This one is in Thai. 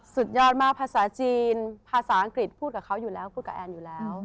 สุดยอดมากภาษาจีนภาษาอังกฤษพูดกับเขาอยู่แล้วพูดกับแอนอยู่แล้ว